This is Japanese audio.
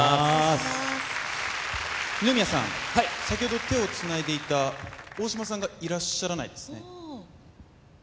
先ほど手をつないでいた大島さんがいらっしゃらないですね